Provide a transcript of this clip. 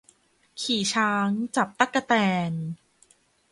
ขี่ช้างจับตั๊กแตน